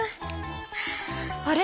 あれ？